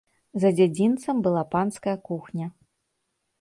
За дзядзінцам была панская кухня.